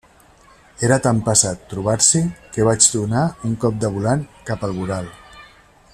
Era tan pesat trobar-s'hi que vaig donar un cop de volant cap al voral.